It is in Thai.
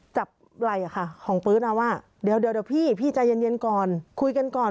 จับไล่อ่ะค่ะของปื๊ดอ่ะว่าเดี๋ยวพี่พี่จัยเย็นก่อน